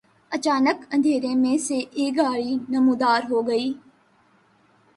اچانک اندھیرے میں سے ایک گاڑی نمودار ہوئی